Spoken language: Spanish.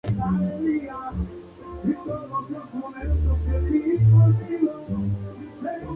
La planta requiere suelos bien drenados que sean ácidos o neutros.